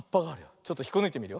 ちょっとひっこぬいてみるよ。